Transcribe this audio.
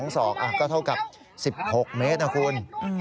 ศอกก็เท่ากับ๑๖เมตรนะคุณ